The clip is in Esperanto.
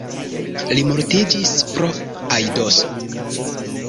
Li mortiĝis pro aidoso.